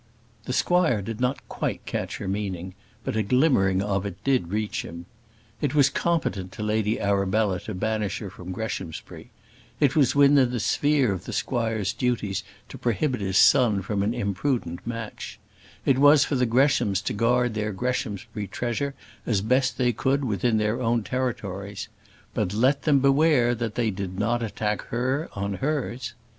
The squire did not quite catch her meaning, but a glimmering of it did reach him. It was competent to Lady Arabella to banish her from Greshamsbury; it was within the sphere of the squire's duties to prohibit his son from an imprudent match; it was for the Greshams to guard their Greshamsbury treasure as best they could within their own territories: but let them beware that they did not attack her on hers.